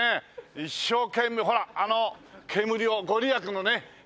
一生懸命ほらあの煙を御利益のね煙をね